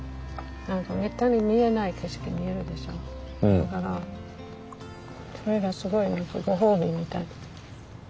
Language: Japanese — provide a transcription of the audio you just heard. だからそれがすごいご褒美みたい。